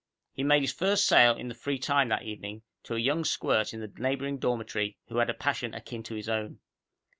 He made his first sale in the free time that evening, to a young squirt in the neighboring dormitory who had a passion akin to his own.